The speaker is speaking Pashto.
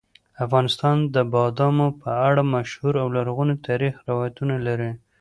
افغانستان د بادامو په اړه مشهور او لرغوني تاریخي روایتونه لري.